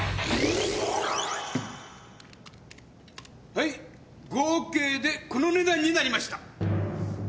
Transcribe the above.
はい合計でこの値段になりました。